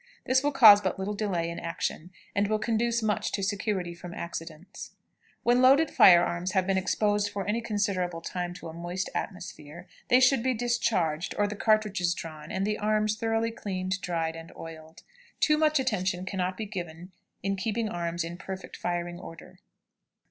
This will cause but little delay in an action, and will conduce much to security from accidents. When loaded fire arms have been exposed for any considerable time to a moist atmosphere, they should be discharged, or the cartridges drawn, and the arms thoroughly cleaned, dried, and oiled. Too much attention can not be given in keeping arms in perfect firing order.